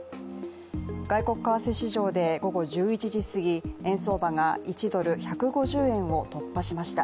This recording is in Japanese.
外国為替市場で午後１１時すぎ、円相場が１ドル＝１５０円を突破しました。